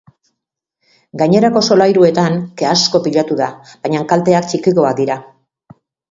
Gainerako solairuetan ke asko pilatu da, baina kalteak txikiagoak dira.